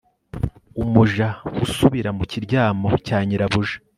umuja usubira mu kiryamo cya nyirabuja